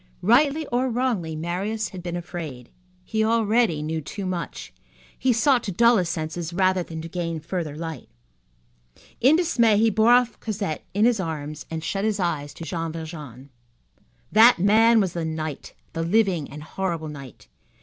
Rightly or wrongly, Marius had been afraid. He already knew too much. He sought to dull his senses rather than to gain further light. In dismay he bore off Cosette in his arms and shut his eyes to Jean Valjean. That man was the night, the living and horrible night.